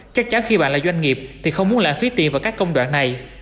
chắc chắn khi bạn là doanh nghiệp thì không muốn lãng phí tiền vào các công đoạn này